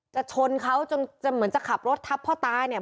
ชนเขาจนจะเหมือนจะขับรถทับพ่อตาเนี่ย